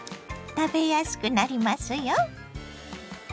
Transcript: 食べやすくなりますよ。